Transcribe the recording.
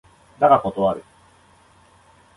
だが断る。